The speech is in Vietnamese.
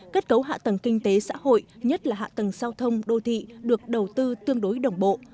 kết cấu hạ tầng kinh tế xã hội nhất là hạ tầng giao thông đô thị được đầu tư tương đối đồng bộ